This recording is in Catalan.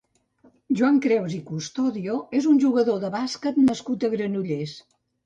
Joan Creus i Custodio és un jugador de bàsquet nascut a Granollers.